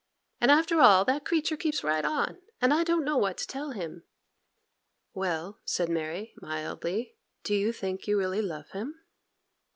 And after all, that creature keeps right on, and I don't know what to tell him.' 'Well,' said Mary, mildly; 'do you think you really love him?